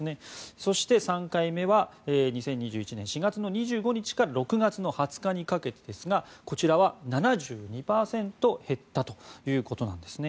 そして、３回目は２０２１年４月の２５日から６月の２０日にかけてですがこちらは７２％減ったということなんです。